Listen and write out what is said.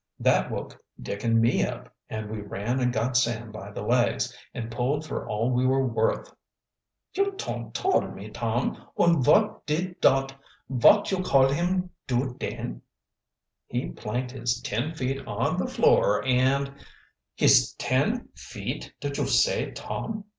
"That woke Dick and me up, and we ran and got Sam by the legs, and pulled for all we were worth." "You ton't tole me, Tom! Und vot did dot vot you call him do den?" "He planked his ten feet on the floor, and " "His ten feet did you said, Tom?"